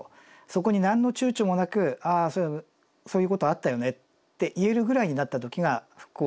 そこに何のちゅうちょもなく「ああそういうことあったよね」って言えるぐらいになった時が復興かなと。